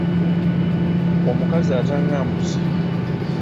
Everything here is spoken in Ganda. Omukazi atanga mbuzi.